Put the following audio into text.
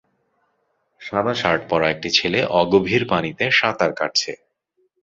সাদা শার্ট পরা একটি ছেলে অগভীর পানিতে সাঁতার কাটছে।